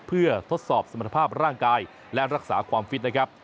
เพื่อทดสอบสมรรถภาพร่างกายและรักษาความฟิตนะครับ